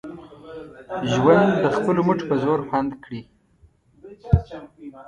ژوند د خپلو مټو په زور خوند کړي